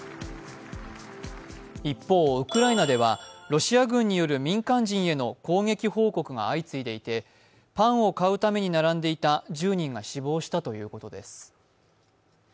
一方、ウクライナではロシア軍による民間人への攻撃報告が相次いでいて、パンを買うために並んでいた１０人が死亡したということです。